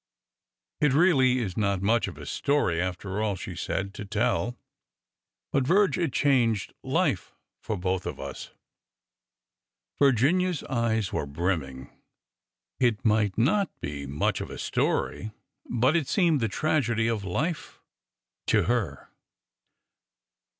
'' It really is not much of a story, after all," she said, to tell. But, Virge, it changed life for both of us!" Virginia's eyes were brimming. It might not be much of a story, but it seemed the tragedy of life to her.